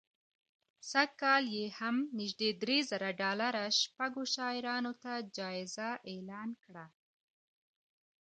سږ کال یې هم نژدې درې زره ډالره شپږو شاعرانو ته جایزه اعلان کړه